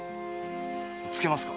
つけますか？